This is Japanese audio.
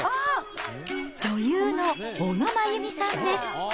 女優の小野真弓さんです。